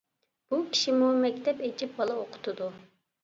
بۇ كىشىمۇ مەكتەپ ئېچىپ بالا ئوقۇتىدۇ.